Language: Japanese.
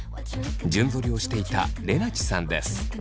順ぞりをしていたれなちさんです。